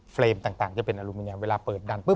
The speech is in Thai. ต่างจะเป็นอลูมิเนียมเวลาเปิดดันปุ